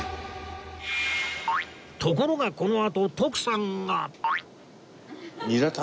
ところがこのあと徳さんが